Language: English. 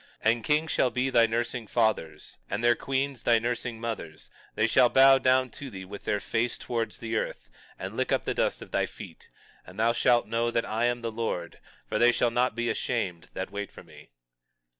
21:23 And kings shall be thy nursing fathers, and their queens thy nursing mothers; they shall bow down to thee with their face towards the earth, and lick up the dust of thy feet; and thou shalt know that I am the Lord; for they shall not be ashamed that wait for me.